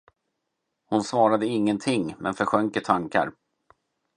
Hon svarade ingenting, men försjönk i tankar.